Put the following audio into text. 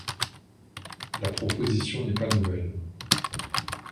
La proposition n'est pas nouvelle.